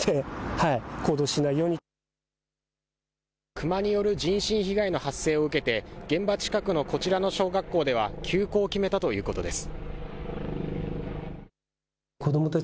クマによる人身被害の発生を受けて現場近くのこちらの小学校では休校を決めたということです。